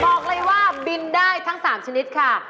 บอกเลยว่าบินได้ทั้ง๓ชนิดค่ะ